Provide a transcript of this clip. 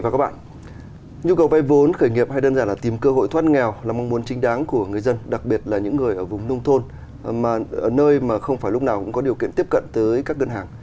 các bạn hãy đăng ký kênh để ủng hộ kênh của chúng mình nhé